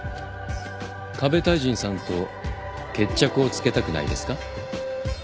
ＫＡＢＥ太人さんと決着をつけたくないですか？